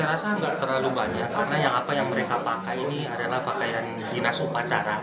terus tidak terlalu banyak karena yang mereka pakai ini adalah pakaian dinas upacara